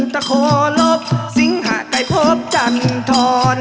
ตะโขลบสิงหากัยพบจันทร์